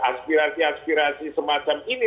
aspirasi aspirasi semacam ini